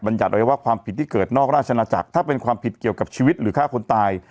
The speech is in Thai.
ยัติไว้ว่าความผิดที่เกิดนอกราชนาจักรถ้าเป็นความผิดเกี่ยวกับชีวิตหรือฆ่าคนตาย